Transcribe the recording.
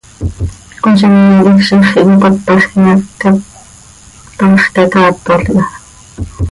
Cmozime quij ziix quih cöipátajquim hac, taax cacaatol iha.